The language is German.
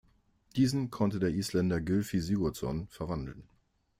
Diesen konnte der Isländer Gylfi Sigurðsson verwandeln.